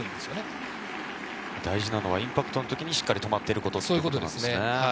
大事なのはインパクトの時にしっかり止まっていることなんですね。